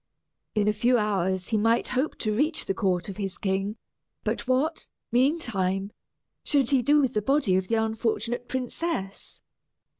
In a few hours he might hope to reach the court of his king; but what, meantime, should he do with the body of the unfortunate princess?